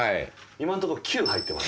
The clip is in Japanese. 今んとこ９入ってます。